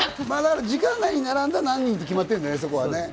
時間内に７人って決まってるんだよね。